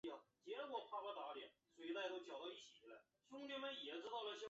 只剩哭泣声